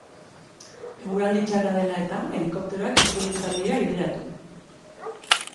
Eguraldi txarra dela eta, helikopteroak ezin izan dira aireratu.